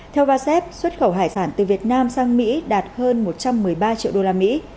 theo vasep xuất khẩu hải sản từ việt nam sang mỹ đạt hơn một trăm một mươi ba triệu đô la mỹ